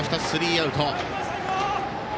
スリーアウト。